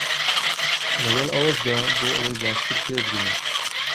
لەگەڵ ئەوەشدا بۆ ئەوەی باشتر تێبگەین